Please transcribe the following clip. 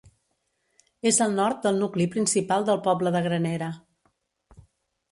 És al nord del nucli principal del poble de Granera.